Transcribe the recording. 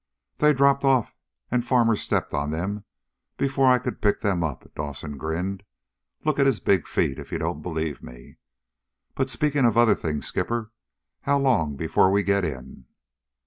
"They dropped off, and Farmer stepped on them before I could pick them up," Dawson grinned. "Look at his big feet, if you don't believe me. But, speaking of other things, Skipper, how long before we get in?"